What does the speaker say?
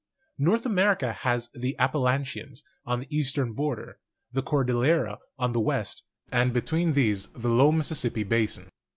North America has the Appalachians on the eastern border, the Cordillera on the west, and between these the low Mississippi basin.